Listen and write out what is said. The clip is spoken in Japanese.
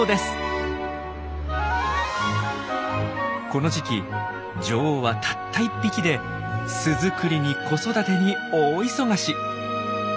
この時期女王はたった１匹で巣作りに子育てに大忙し。